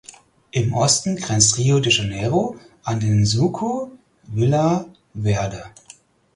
Im Osten grenzt Rio de Janeiro an den Suco Vila Verde.